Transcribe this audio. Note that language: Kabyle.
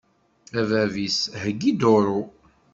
A bab-is heggi duṛu.